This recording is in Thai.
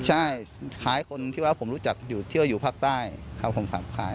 ใช่ขายคนที่ว่าผมรู้จักที่ว่าอยู่ภาคใต้ครับผมขาย